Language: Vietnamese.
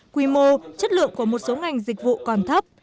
quy mô chất lượng của một số ngành dịch vụ còn thấp